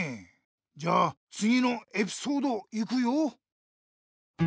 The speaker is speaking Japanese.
じゃあつぎのエピソードいくよ。